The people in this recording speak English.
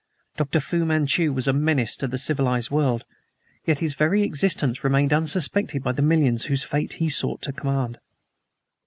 Doctor Fu Manchu was a menace to the civilized world. Yet his very existence remained unsuspected by the millions whose fate he sought to command.